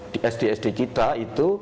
di sd sd kita itu